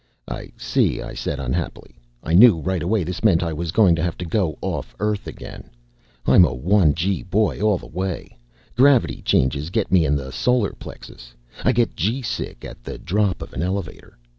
"I see," I said, unhappily. I knew right away this meant I was going to have to go off Earth again. I'm a one gee boy all the way. Gravity changes get me in the solar plexus. I get g sick at the drop of an elevator.